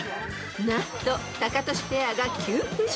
［何とタカトシペアが急浮上］